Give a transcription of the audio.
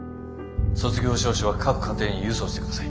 卒業証書は各家庭に郵送してください。